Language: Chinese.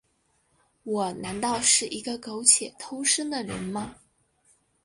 我难道是一个苟且偷生的人吗？